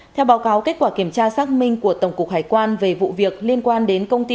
theo báo cáo kết quả kiểm tra xác minh của tổng cục hải quan về vụ việc liên quan đến công ty